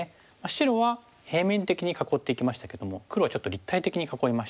白は平面的に囲っていきましたけども黒はちょっと立体的に囲いました。